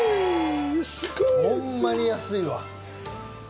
すごい！ホンマに安いわ。